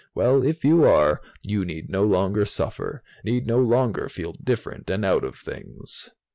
Well, if you are, you need no longer suffer, need no longer feel different and out of things.